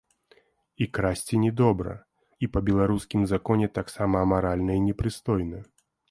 І красці не добра, і па беларускім законе таксама амаральна і непрыстойна.